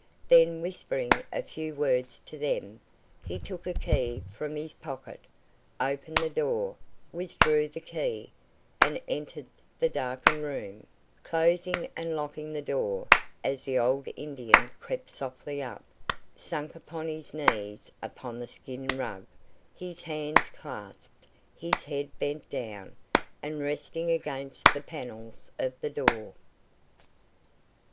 Then, whispering a few words to them, he took a key from his pocket, opened the door, withdrew the key, and entered the darkened room, closing and locking the door, as the old Indian crept softly up, sank upon his knees upon the skin rug, his hands clasped, his head bent down, and resting against the panels of the door.